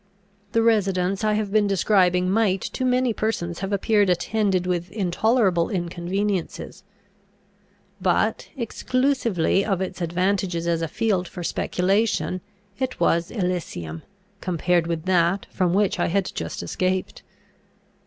The residence I have been describing might to many persons have appeared attended with intolerable inconveniences. But, exclusively of its advantages as a field for speculation, it was Elysium, compared with that from which I had just escaped.